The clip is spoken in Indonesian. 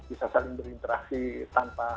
bisa saling berinteraksi tanpa